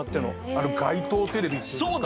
あれ街頭テレビっていうんですか。